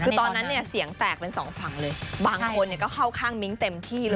คือตอนนั้นเนี่ยเสียงแตกเป็นสองฝั่งเลยบางคนก็เข้าข้างมิ้งเต็มที่เลย